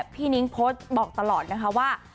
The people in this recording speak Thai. พี่นิ้งบอกตลอดนะคะว่า